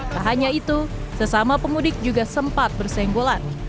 tak hanya itu sesama pemudik juga sempat bersenggolan